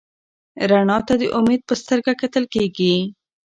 رڼا ته د امید په سترګه کتل کېږي.